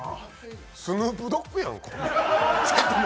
スヌープドックやん。